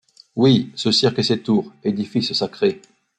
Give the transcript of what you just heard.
Oui ; ce cirque et ses tours, édifice sacré